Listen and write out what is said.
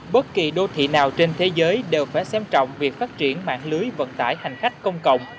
bất kỳ đô thị nào trên thế giới đều phải xem trọng việc phát triển mạng lưới vận tải hành khách công cộng